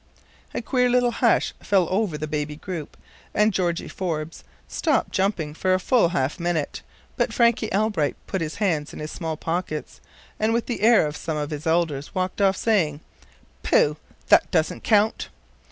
A queer little hush fell over the baby group, and Georgie Forbes stopped jumping for full half a minute, but Frankie Elbright put his hands in his small pockets, and with the air of some of his elders, walked off saying: "Pooh! that don't count."